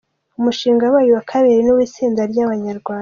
Umushinga wabaye uwa kabiri ni uw’itsinda ry’abanyarwanda